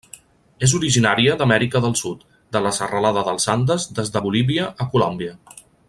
És originària d'Amèrica del Sud, de la serralada dels Andes des de Bolívia a Colòmbia.